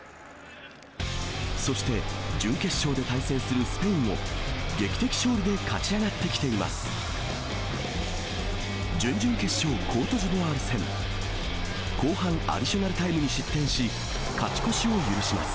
そして、準決勝で対戦するスペインも劇的勝利で勝ち上がってきています。